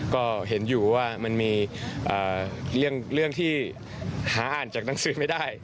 ก็เห็นอยู่ว่ามันมีเรื่องที่หาอ่านจากหนังสือไม่ได้